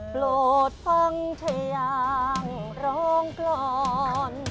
โปรดภังใจอย่างรองกลอน